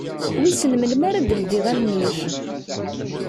Wissen melmi ara d-teldiḍ allen-ik?